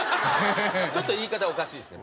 ちょっと言い方おかしいですね。